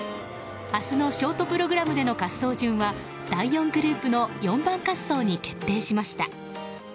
明日のショートプログラムでの滑走順は第４グループの４番滑走に決定しました。